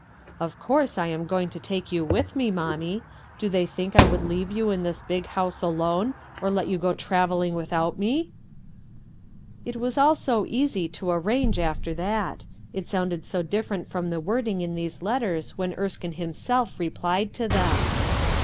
Of course I am going to take you with me, mommie. Do they think I would leave you in this big house alone, or let you go travelling without me!" It was all so easy to arrange after that. It sounded so different from the wording in those letters when Erskine himself replied to them.